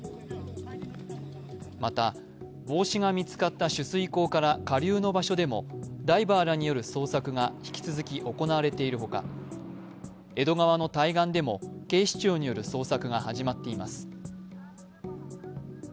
また、帽子が見つかった取水口から下流の場所でもダイバーらによる捜索が引き続き行われているほか江戸川の対岸でも警視庁による捜索が始まっています。